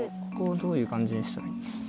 ここをどういう感じにしたら。